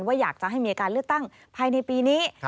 อยากจะให้มีการเลือกตั้งภายในปีนี้